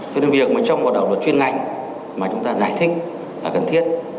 vì việc trong một đạo luật chuyên ngành mà chúng ta giải thích là cần thiết